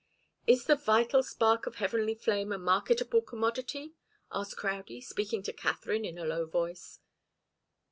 "Is the 'vital spark of heavenly flame' a marketable commodity?" asked Crowdie, speaking to Katharine in a low voice.